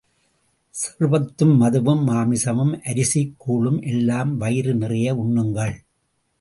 சர்பத்தும், மதுவும், மாமிசமும் அரிசிக் கூழும் எல்லாம் வயிறு நிறைய உண்ணுங்கள்.